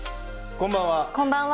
こんばんは。